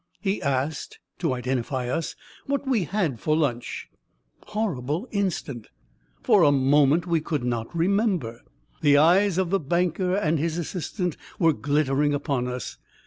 He asked, to identify us, what we had had for lunch. Horrible instant! For a moment we could not remember. The eyes of the banker and his assistant were glittering upon us.